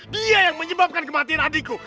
dia yang menyebabkan kematian adikku